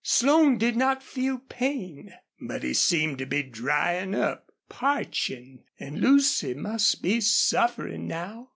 Slone did not feel pain, but he seemed to be drying up, parching. And Lucy must be suffering now.